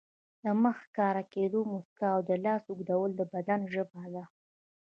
د مخ ښکاره کېدل، مسکا او لاس اوږدول د بدن ژبه ده.